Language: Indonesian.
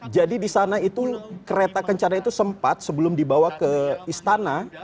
jadi di sana itu kereta kencana itu sempat sebelum dibawa ke istana